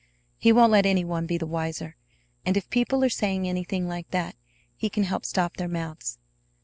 "He won't let any one be the wiser; and, if people are saying anything like that, he can help stop their mouths."